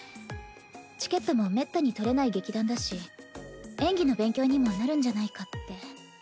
チケットもめったに取れない劇団だし演技の勉強にもなるんじゃないかって。